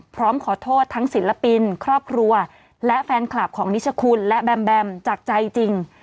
พร้อมขอโทษทั้งศิลปินครอบครัวและแฟนคลับของนิชคุณและแบมแบมจากใจจริง